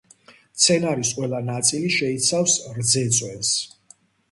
მცენარის ყველა ნაწილი შეიცავს რძეწვენს.